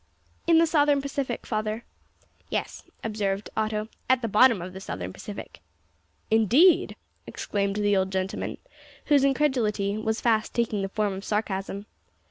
"In the Southern Pacific, father." "Yes," observed Otto; "at the bottom of the Southern Pacific." "Indeed!" exclaimed the old gentleman, whose incredulity was fast taking the form of sarcasm.